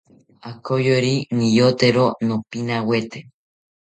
Akoyori niyotero nopinawete